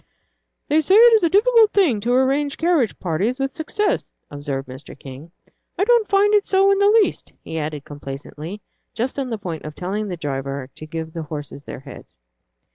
"They say it is a difficult thing to arrange carriage parties with success," observed Mr. King. "I don't find it so in the least," he added, complacently, just on the point of telling the driver to give the horses their heads.